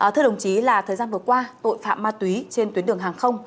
thưa đồng chí là thời gian vừa qua tội phạm ma túy trên tuyến đường hàng không